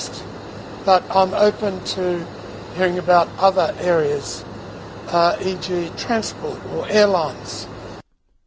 tapi saya terbuka untuk mendengar tentang area lain yaitu transportasi atau perangkat udara